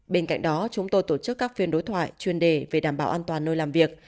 bên cạnh đó chúng tôi tổ chức các phiên đối thoại chuyên đề về đảm bảo an toàn nơi làm việc